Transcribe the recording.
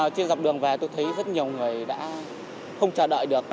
chưa dọc đường về tôi thấy rất nhiều người đã không chờ đợi được